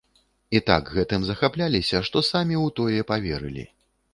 І так гэтым захапляліся, што самі ў тое паверылі.